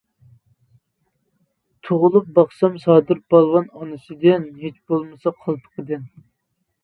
تۇغۇلۇپ باقسام سادىر پالۋان ئانىسىدىن، ھېچ بولمىسا قالپىقىدىن.